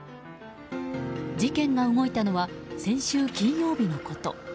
事件が動いたのは先週金曜日のこと。